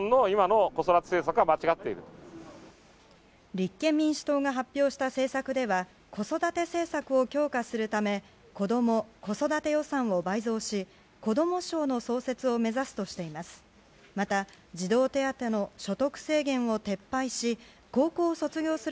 立憲民主党が発表した政策では子育て政策を強化するため子ども・子育て予算を倍増しこども省の創設を目指すとしています。